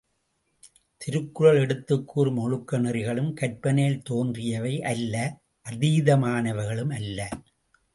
திருக்குறள் எடுத்துக் கூறும் ஒழுக்க நெறிகளும் கற்பனையில் தோன்றியவை அல்ல அதீதமானவைகளுமல்ல.